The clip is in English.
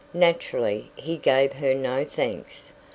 Naturally, he gave her no thanks.